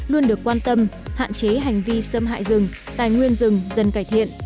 luôn được quan tâm hạn chế hành vi xâm hại rừng tài nguyên rừng dần cải thiện